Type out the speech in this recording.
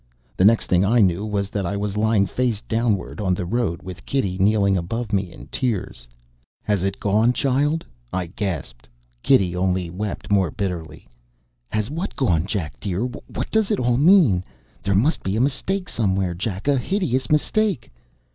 The next thing I knew was that I was lying face downward on the road with Kitty kneeling above me in tears. "Has it gone, child!" I gasped. Kitty only wept more bitterly. "Has what gone, Jack dear? what does it all mean? There must be a mistake somewhere, Jack. A hideous mistake."